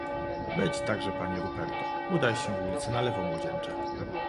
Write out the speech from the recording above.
"Wejdź także pani Ruperto; udaj się w ulicę na lewo, młodzieńcze."